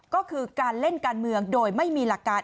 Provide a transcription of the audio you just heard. ก็คือการเล่นการเมืองโดยไม่มีหลักการ